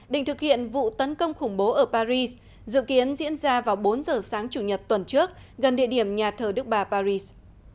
đình thực hiện vụ tấn công khủng bố ở paris dự kiến diễn ra vào bốn giờ sáng chủ nhật tuần trước gần địa điểm nhà thờ đức bà paris